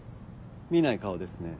見ない顔ですね。